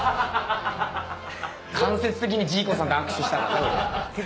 間接的にジーコさんと握手したからね俺。